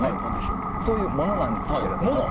そういうものなんですけど。